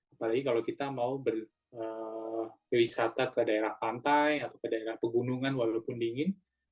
apalagi kalau kita mau berwisata ke daerah pantai atau ke daerah pegunungan walaupun dingin